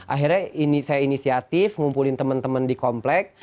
akhirnya ini saya inisiatif ngumpulin temen temen di komplek